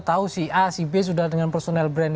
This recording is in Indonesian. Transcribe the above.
tahu si a si b sudah dengan personal brand